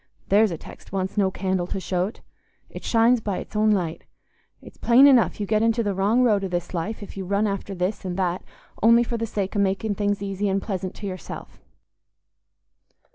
There's a text wants no candle to show't; it shines by its own light. It's plain enough you get into the wrong road i' this life if you run after this and that only for the sake o' making things easy and pleasant to yourself.